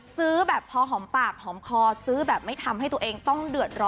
ซื้อแบบพอหอมปากหอมคอซื้อแบบไม่ทำให้ตัวเองต้องเดือดร้อน